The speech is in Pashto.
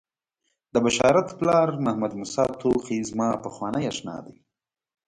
د بشارت پلار محمدموسی توخی زما پخوانی آشنا دی.